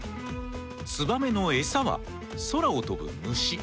ツバメのエサは空を飛ぶ虫。